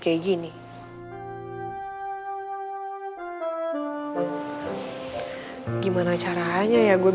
aku gak gibtur juga